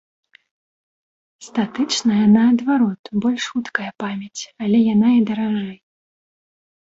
Статычная, наадварот, больш хуткая памяць, яле яна і даражэй.